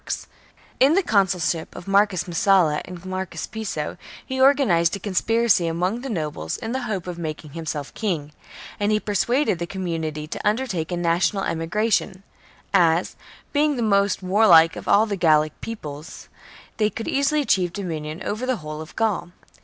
^ In the consulship of Marcus Messala and Marcus Piso he organized a conspiracy among the nobles in the hope of making himself king, and persuaded the com munity to undertake a national emigration, as, being the most warlike of all the Gallic peoples, they could easily achieve dominion over the whole of Gaul.